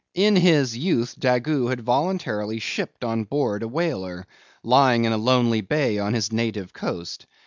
In his youth Daggoo had voluntarily shipped on board of a whaler, lying in a lonely bay on his native coast.